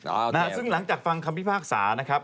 เอานะฮะซึ่งหลังจากฟังคำพิพากษานะครับ